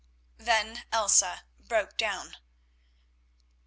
Then Elsa broke down.